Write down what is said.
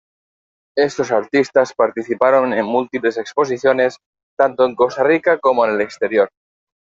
Estos artistas participaron en múltiples exposiciones tanto en Costa Rica como en el exterior.